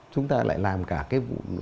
chúng ta lại làm cả cái vụ